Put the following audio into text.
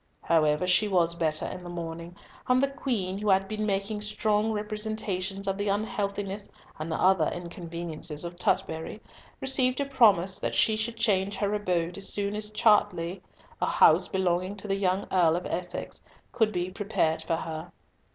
However, she was better in the morning; and the Queen, who had been making strong representations of the unhealthiness and other inconveniences of Tutbury, received a promise that she should change her abode as soon as Chartley, a house belonging to the young Earl of Essex, could be prepared for her.